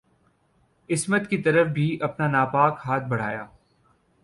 عصمت کی طرف بھی اپنا ناپاک ہاتھ بڑھایا